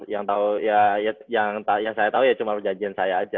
yang saya tahu ya cuma perjanjian saya aja